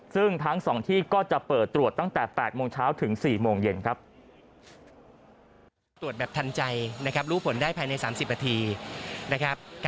ซึ่งทั้ง๒ที่ก็จะเปิดตรวจตั้งแต่๘โมงเช้าถึง๔โมงเย็นครับ